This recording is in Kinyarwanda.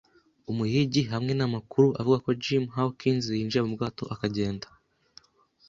Umuhigi hamwe namakuru avuga ko Jim Hawkins yinjiye mu bwato akagenda